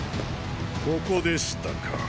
ここでしたか。